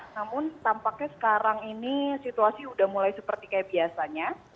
namun tampaknya sekarang ini situasi sudah mulai seperti kayak biasanya